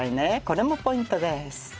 これもポイント。